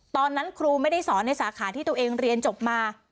ตอนนั้นครูไม่ได้สอนในสาขาที่ตัวเองเรียนจบมา